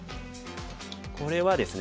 これはですね